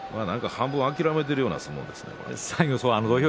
半分諦めているような相撲ですね。